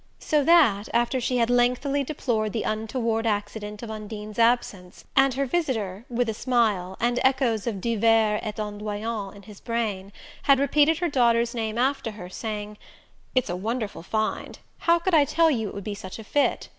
So that, after she had lengthily deplored the untoward accident of Undine's absence, and her visitor, with a smile, and echoes of divers et ondoyant in his brain, had repeated her daughter's name after her, saying: "It's a wonderful find how could you tell it would be such a fit?"